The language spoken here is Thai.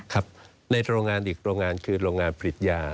ครับในโรงงานอีกโรงงานคือโรงงานผลิตยา